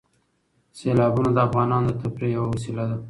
سیلابونه د افغانانو د تفریح یوه وسیله ده.